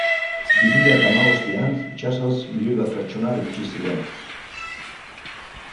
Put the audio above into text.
Bi mila eta hamabostean itsasoz milioi bat pertsona iritsi ziren.